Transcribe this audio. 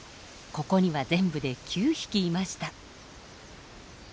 ここには全部で９匹いました。